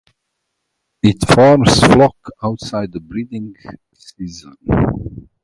It forms flocks outside the breeding season.